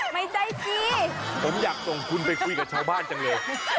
ไม่ได้พี่ผมอยากส่งคุณไปคุยกับชาวบ้านจังเลย